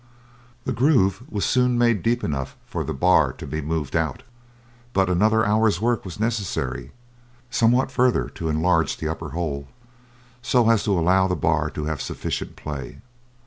The groove was soon made deep enough for the bar to be moved out; but another hour's work was necessary, somewhat further to enlarge the upper hole, so as to allow the bar to have sufficient play.